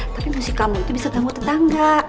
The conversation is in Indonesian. tapi musik kamu itu bisa tahu tetangga